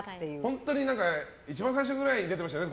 本当に一番最初くらいに出てましたよね。